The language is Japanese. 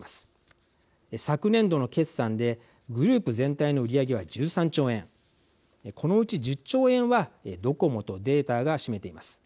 昨年度の決算でグループ全体の売り上げは１３兆円このうち１０兆円はドコモとデータが占めています。